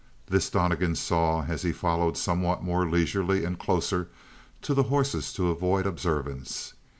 This Donnegan saw as he followed somewhat more leisurely and closer to the horses to avoid observance.